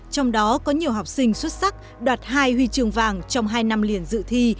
trong đó có nhiều học sinh xuất sắc đạt hai huy trường vàng trong hai năm liền dự thi